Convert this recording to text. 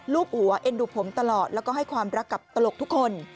หัวเอ็นดูผมตลอดแล้วก็ให้ความรักกับตลกทุกคน